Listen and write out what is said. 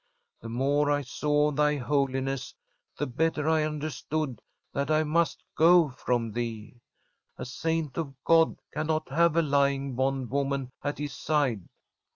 The more I saw of thy holiness the better I understood that I must go from thee. A Saint of God cannot have a lying bondwoman at his side.'